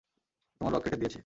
তোমার রগ কেটে দিয়েছি।